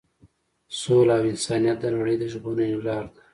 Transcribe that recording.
سوله او انسانیت د نړۍ د ژغورنې لار ده.